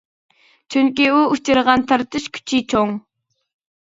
چۈنكى ئۇ ئۇچرىغان تارتىش كۈچى چوڭ.